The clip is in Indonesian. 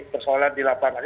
persoalan di lapangan